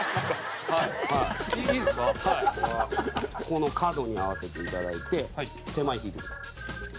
この角に合わせていただいて手前に引いていきます。